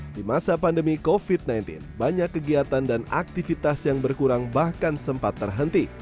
di masa pandemi covid sembilan belas banyak kegiatan dan aktivitas yang berkurang bahkan sempat terhenti